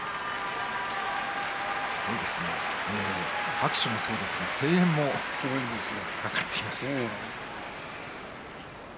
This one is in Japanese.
拍手もそうですが声援も上がっています。